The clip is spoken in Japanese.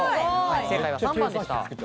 正解は３番でした。